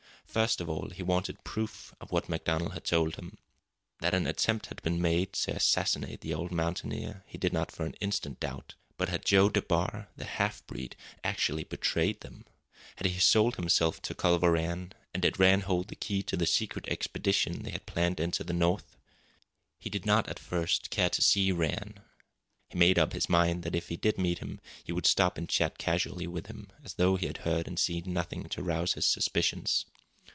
First of all, he wanted proof of what MacDonald had told him. That an attempt had been made to assassinate the old mountaineer he did not for an instant doubt. But had Joe DeBar, the half breed, actually betrayed them? Had he sold himself to Culver Rann, and did Rann hold the key to the secret expedition they had planned into the North? He did not, at first, care to see Rann. He made up his mind that if he did meet him he would stop and chat casually with him, as though he had heard and seen nothing to rouse his suspicions.